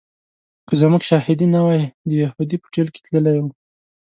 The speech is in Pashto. که زموږ شاهدي نه وای د یهودي په ټېل کې تللی و.